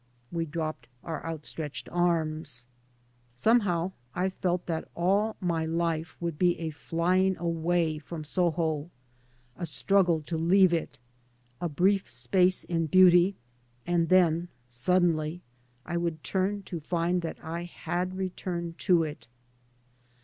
We dropped our outstretched arms. Somehow I felt that all my life would be a flying away from Soho, a struggle to leave it, a brief space in beauty, and then suddenly I would turn to find that I had returned to it.